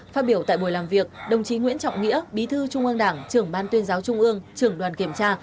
phát biểu tại buổi làm việc đồng chí nguyễn trọng nghĩa bí thư trung ương đảng trưởng ban tuyên giáo trung ương trưởng đoàn kiểm tra